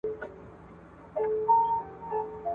پر دې لاره مي پل زوړ سو له کاروان سره همزولی !.